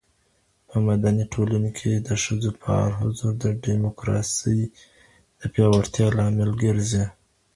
په مدني ټولنو کي د ښځو فعال حضور د ډیموکراسۍ د پیاوړتیا لامل ګرځي.